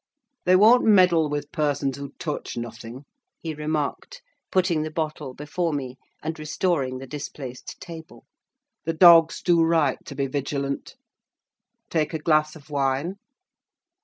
"They won't meddle with persons who touch nothing," he remarked, putting the bottle before me, and restoring the displaced table. "The dogs do right to be vigilant. Take a glass of wine?"